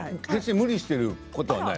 無理していることはない。